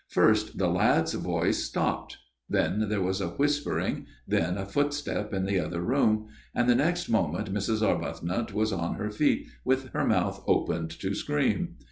" First the lad's voice stopped, then there was a whispering, then a footstep in the other room, and the next moment Mrs. Arbuthnot was on her feet, with her mouth opened to scream.